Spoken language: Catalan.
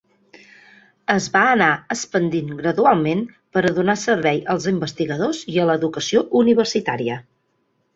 Es va anar expandint gradualment per a donar serveis als investigadors i a l'educació universitària.